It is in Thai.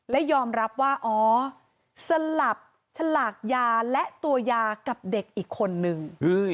และยอมรับว่าอ๋อสลับฉลากยาและตัวยากับเด็กอีกคนนึง